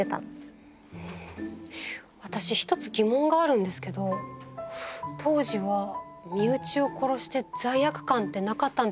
私一つ疑問があるんですけど当時は身内を殺して罪悪感ってなかったんでしょうか。